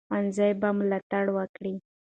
ښوونځي به ملاتړ وکړي.